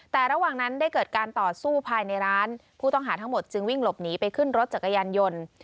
แต่ระหว่างนั้นได้เกิดการต่อสู้ภายในร้านผู้ต้องหาทั้งหมดจึงวิ่งหลบหนีไปขึ้นรถจักรยานยนต์